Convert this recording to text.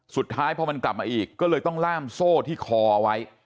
สุดท้ายพอมันกลับมาอีกก็เลยต้องล่ามโซ่ที่คอไว้